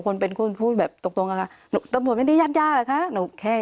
คนเป็นคุณพูดแบบตกตรงนะคะหนูตำลวดไม่ได้ยาดยาหรอกคะหนูแค่